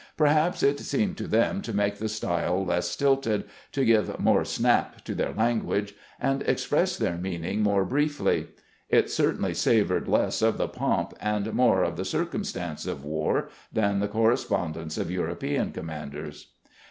Perhaps it seemed to them to make the style less stilted, to give more snap to their language, and express their meaning more briefly. It certainly savored less of the " pomp " and more of the " circumstance " of war than the correspondence of European commanders.